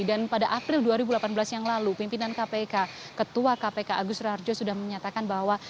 dan pada april dua ribu delapan belas yang lalu pimpinan kpk ketua kpk agus rarjo sudah menyatakan bahwa